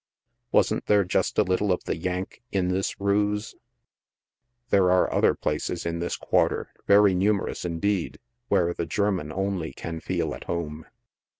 Wasn't there just a lit tle of the " Yank" in this ruse ? There are other places in this quarter very numerous indeed, where the German only can feel at home.